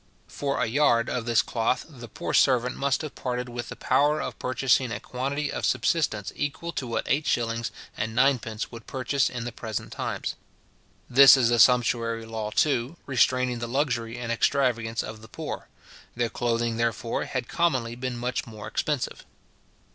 For a yard of this cloth the poor servant must have parted with the power of purchasing a quantity of subsistence equal to what eight shillings and ninepence would purchase in the present times. This is a sumptuary law, too, restraining the luxury and extravagance of the poor. Their clothing, therefore, had commonly been much more expensive.